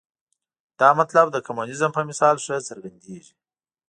دا مطلب د کمونیزم په مثال ښه څرګندېږي.